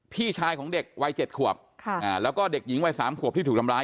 พี่ชายของเด็กวัย๗ขวบแล้วก็เด็กหญิงวัย๓ขวบที่ถูกทำร้าย